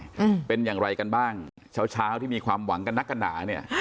อืมเป็นอย่างไรกันบ้างเช้าเช้าที่มีความหวังกันนักกันหนาเนี้ย